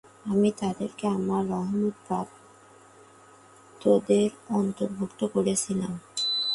আমি তাদেরকে আমার রহমতপ্রাপ্তদের অন্তর্ভুক্ত করেছিলাম।